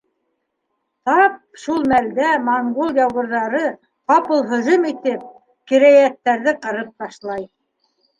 Тап шул мәлдә монгол яугирҙары, ҡапыл һөжүм итеп, кирәйәттәрҙе ҡырып ташлай.